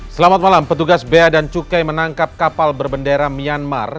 selamat malam petugas bea dan cukai menangkap kapal berbendera myanmar